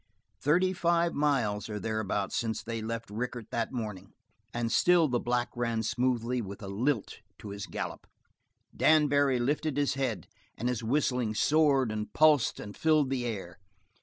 Thirty five miles, or thereabouts, since they left Rickett that morning, and still the black ran smoothly, with a lilt to his gallop. Dan Barry lifted his head and his whistling soared and pulsed and filled the air.